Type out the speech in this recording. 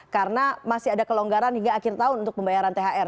karena masih ada kelonggaran hingga akhir tahun untuk pembayaran thr